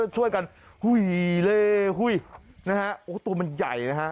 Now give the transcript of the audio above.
ช่วยกันหุ้ยเล่หุ้ยนะฮะโอ้ตัวมันใหญ่นะฮะ